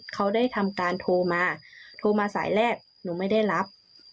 เขาได้ทำการโทรมาโทรมาสายแรกหนูไม่ได้รับ